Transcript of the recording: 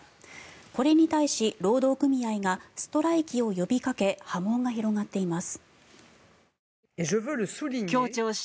これに対し、労働組合がストライキを呼びかけ波紋が広がっています。